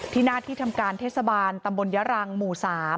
ที่นาธิธรรมการเทศบาลตำบลยรังหมู่๓